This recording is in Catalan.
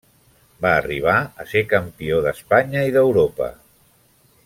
Va arribar a ser campió d'Espanya i d'Europa.